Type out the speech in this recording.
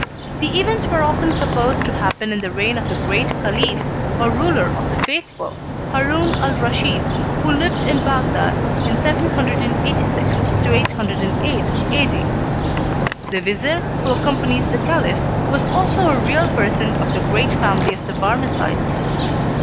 The events were often supposed to happen in the reign of the great Caliph, or ruler of the Faithful, Haroun al Raschid, who lived in Bagdad in 786 808 A.D. The vizir who accompanies the Caliph was also a real person of the great family of the Barmecides.